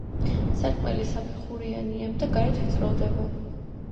სარკმელი საფეხურიანია და გარეთ ვიწროვდება.